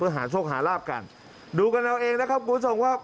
เอออันนี้ดูยาก